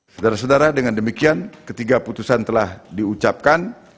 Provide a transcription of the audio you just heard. saudara saudara dengan demikian ketiga putusan telah diucapkan